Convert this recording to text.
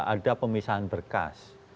ada pemisahan berkas